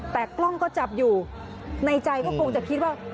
แต่กล้องก็จับอยู่ในใจก็คงจะคิดว่า